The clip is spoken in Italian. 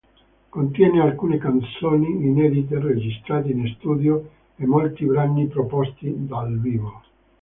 Contiene alcune canzoni inedite registrate in studio e molti brani proposti dal vivo.